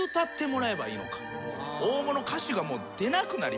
大物歌手がもう出なくなりました。